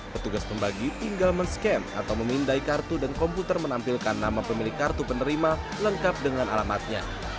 petugas pembagi tinggal men scan atau memindai kartu dan komputer menampilkan nama pemilik kartu penerima lengkap dengan alamatnya